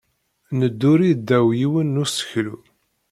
Nedduri ddaw yiwen n useklu.